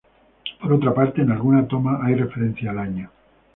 Por otra parte, en alguna toma hay referencia al año.